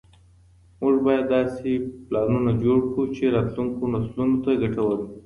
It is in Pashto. موږ بايد داسې پلانونه جوړ کړو چي راتلونکو نسلونو ته ګټور وي.